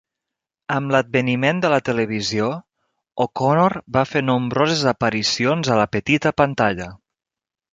Amb l'adveniment de la televisió, O'Connor va fer nombroses aparicions a la petita pantalla.